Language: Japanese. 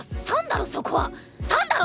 だろそこは！